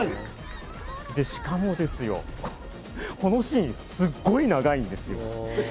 しかもこのシーン、すごく長いですよ。